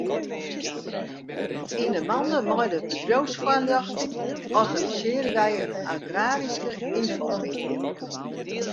Yn 'e mande mei de bedriuwsfoarljochting organisearje wy in agraryske ynfomiddei.